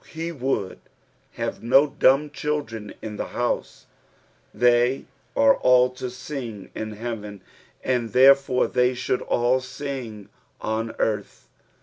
He would have no dumb children in the house. They are all to sing in heaven, and therefore they should all sing on earth.